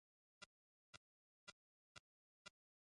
তুষার-ঝড়, বৃষ্টি-বাদল উপেক্ষা করে টেরি ছুটে চলেন পশ্চিমে।